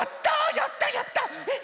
やったやった！えっ？